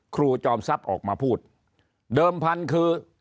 จอมทรัพย์ออกมาพูดเดิมพันธุ์คือ